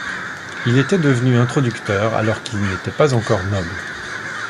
Il était devenu introducteur alors qu'il n'était pas encore noble.